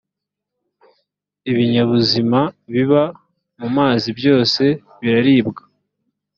ibinyabuzima biba mumazi byose biraribwa